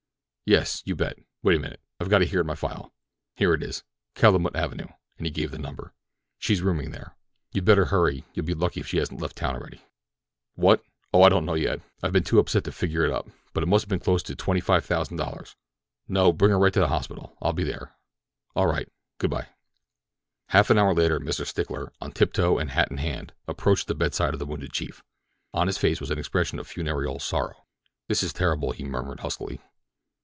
"Yes, you bet. Wait a minute—I've got it here in my file. Here it is—Calumet Avenue," and he gave a number, "she's rooming there. You'd better hurry. You'll be lucky if she hasn't left town already. "What? Oh, I don't know yet—I've been too upset to figure it up, but it must have been close to twenty five thousand dollars. No, bring her right to the hospital—I'll be there. All right. Good by." Half an hour later Mr. Stickler, on tiptoe and hat in hand, approached the bedside of his wounded chief. On his face was an expression of funereal sorrow. "This is terrible," he murmured huskily.